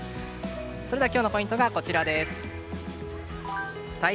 それでは今日のポイントがこちら。